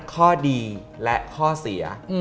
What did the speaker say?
ข้อดีและข้อเสีย